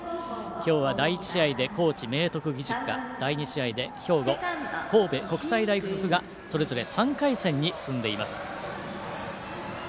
今日は第１試合で高知・明徳義塾が第２試合で兵庫・神戸国際大付属がそれぞれ３回戦に進んでいます。